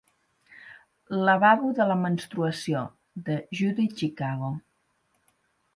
Lavabo de la menstruació, de Judy Chicago.